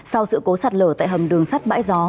sau sự cố sạt lở tại hầm đường sắt bãi gió